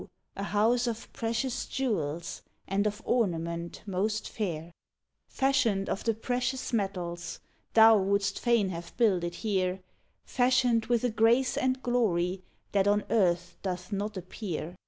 a House of precious jewels And of ornament most fair. "Fashioned of the precious metals Thou wouldst fain have builded here; Fashioned with a grace and glory That on Earth doth not appear.